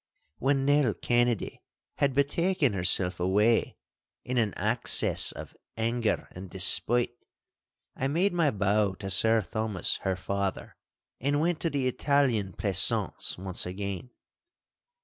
When Nell Kennedy had betaken herself away in an access of anger and despite, I made my bow to Sir Thomas, her father, and went to the Italian pleasaunce once again.